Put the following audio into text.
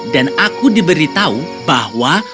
dan aku diberitahu bahwa